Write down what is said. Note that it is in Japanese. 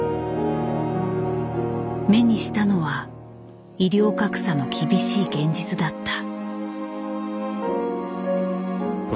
目にしたのは医療格差の厳しい現実だった。